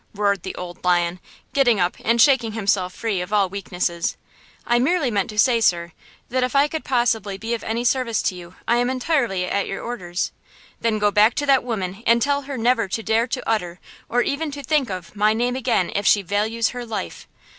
roared the old lion, getting up and shaking himself free of all weaknesses. "I merely meant to say, sir, that if I could possibly be of any service to you I am entirely at your orders." "Then go back to that woman and tell her never to dare to utter, or even to think of, my name again, if she values her life!"